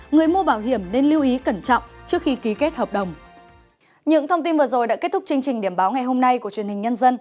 người mua bảo hiểm nên lưu ý cẩn trọng trước khi ký kết hợp đồng